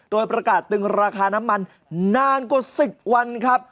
โดยประกาศตึงราคาน้ำมันนานกว่า๑๐วันครับ